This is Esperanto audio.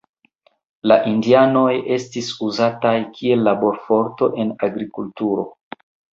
La indianoj estis uzataj kiel laborforto en agrikulturo.